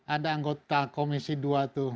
ada anggota komisi dua tuh